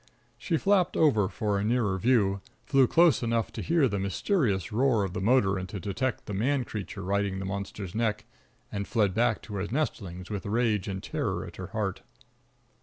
She flapped over for a nearer view, flew close enough to hear the mysterious roar of the motor and to detect the man creature riding the monster's neck, and fled back to her nestlings with rage and terror at her heart.